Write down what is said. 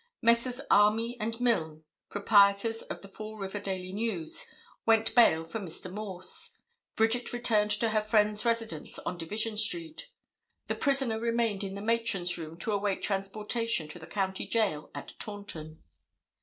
Messrs. Almy and Milne, proprietors of the Fall River Daily News, went bail for Mr. Morse. Bridget returned to her friend's residence on Division street. The prisoner remained in the matron's room to await transportation to the County Jail at Taunton.